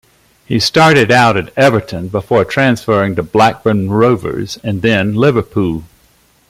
He started out at Everton before transferring to Blackburn Rovers and then, Liverpool.